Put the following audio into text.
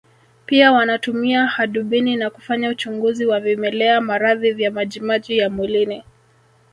Pia wanatumia hadubini na kufanya uchunguzi wa vimelea maradhi vya majimaji ya mwilini